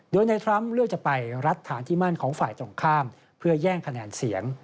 โดยในทรัมป์เลือกจะไปรัฐฐานที่มั่นของฝ่ายตรงข้ามเพื่อแย่งคะแนนเสียง